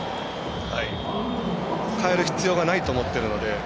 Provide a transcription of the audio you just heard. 変える必要がないと思ってるので。